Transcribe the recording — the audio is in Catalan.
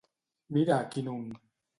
Mira, quin un!